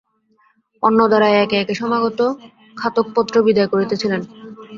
অন্নদা রায় একে একে সমাগত খাতকপত্র বিদায় করিতেছিলেন।